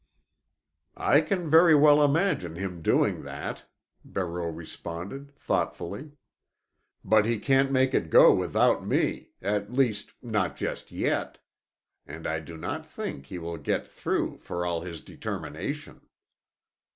"I can very well imagine him doing that," Barreau responded thoughtfully. "But he can't make it go without me; at least, not just yet. And I do not think he will get through, for all his determination."